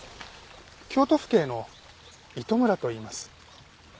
京都府警の糸村といいます。